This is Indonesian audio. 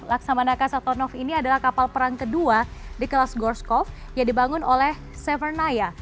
laksamanaka sattonov ini adalah kapal perang kedua di kelas gorskov yang dibangun oleh severnaya